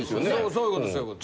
そういうことそういうこと。